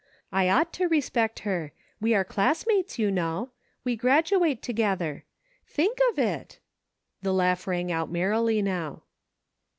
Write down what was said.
I ought to re spect her, we are classmates, you know ; we grad uate together. Think of it !" The laugh rang out merrily now.